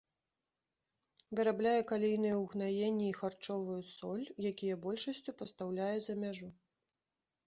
Вырабляе калійныя ўгнаенні і харчовую соль, якія большасцю пастаўляе за мяжу.